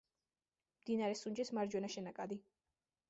მდინარე სუნჯის მარჯვენა შენაკადი.